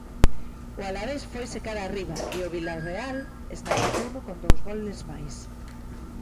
O Alavés foise cara arriba e o Vilarreal esnaquizouno con dous goles máis.